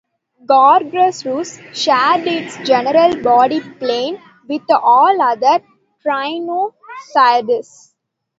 "Gorgosaurus" shared its general body plan with all other tyrannosaurids.